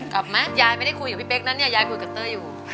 กลับไหมยายไม่ได้คุยกับพี่เป๊กนะเนี่ยยายคุยกับเต้ยอยู่